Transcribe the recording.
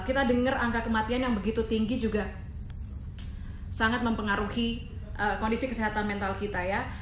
kita dengar angka kematian yang begitu tinggi juga sangat mempengaruhi kondisi kesehatan mental kita ya